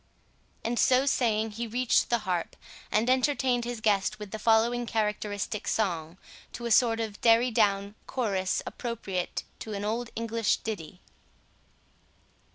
And so saying, he reached the harp, and entertained his guest with the following characteristic song, to a sort of derry down chorus, appropriate to an old English ditty.